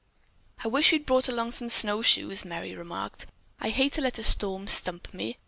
"I wish we'd brought along some snowshoes," Merry remarked. "I hate to let a storm stump me.